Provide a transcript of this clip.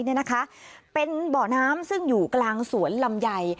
เนี่ยนะคะเป็นบ่อน้ำซึ่งอยู่กลางสวนลำใหญ่